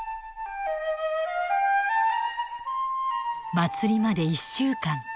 祭りまで１週間。